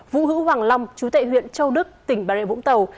vũ hữu hoàng long chú tệ huyện châu đức tỉnh bà rệ vũng tàu